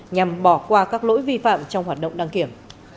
nhằm bỏ qua các lỗi vi phạm trong hoạt động đăng kiểm